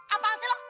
apaan sih lu